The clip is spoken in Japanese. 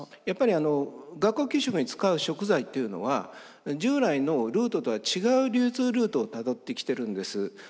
やっぱり学校給食に使う食材っていうのは従来のルートとは違う流通ルートをたどってきてるんです。